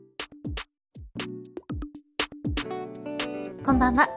こんばんは。